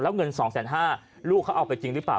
แล้วเงิน๒๕๐๐บาทลูกเขาเอาไปจริงหรือเปล่า